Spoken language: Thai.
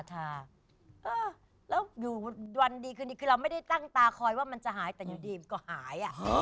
แล้วอยู่วันดีคืนนี้คือเราไม่ได้ตั้งตาคอยว่ามันจะหายแต่อยู่ดีมันก็หาย